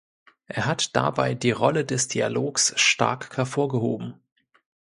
Er hat dabei die Rolle des Dialogs stark hervorgehoben.